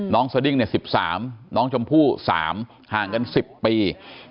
สดิ้ง๑๓น้องชมพู่๓ห่างกัน๑๐ปี